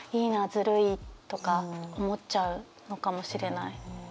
「ずるい」とか思っちゃうのかもしれない。